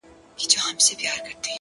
• زما هدیرې ته به پېغور راځي,